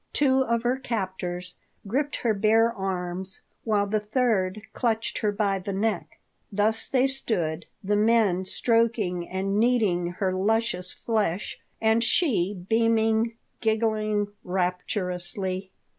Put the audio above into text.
Two of her captors gripped her bare arms, while the third clutched her by the neck. Thus they stood, the men stroking and kneading her luscious flesh, and she beaming and giggling rapturously.